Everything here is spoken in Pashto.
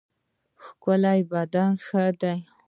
ښکلی بدن ښه دی.